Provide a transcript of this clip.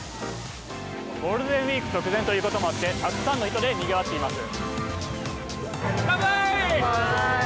ゴールデンウィーク直前ということもあってたくさんの人でにぎわっています。